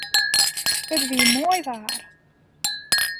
It wie moai waar.